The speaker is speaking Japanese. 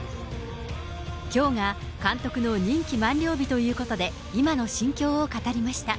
きょうが監督の任期満了日ということで、今の心境を語りました。